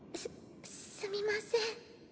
すすみません。